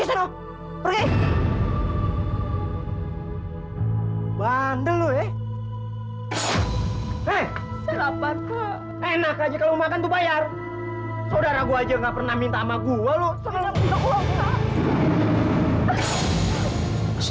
sudah perlu bawa lagi